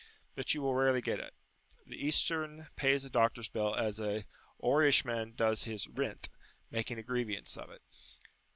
But you will rarely get it. The Eastern pays a doctor's bill as an Oirishman does his "rint," making a grievance of it.